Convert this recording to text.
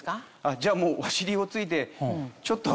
じゃもうお尻をついてちょっと。